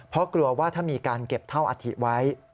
เพราะกลัวว่าถ้ามีการเก็บเท่าอัฐิไว้